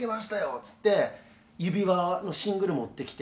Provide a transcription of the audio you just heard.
っつって「指輪」のシングル持ってきて。